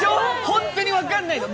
本当に分かんないの！